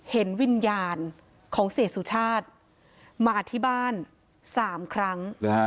เห็นวิญญาณของเสียสุชาติมาที่บ้าน๓ครั้ง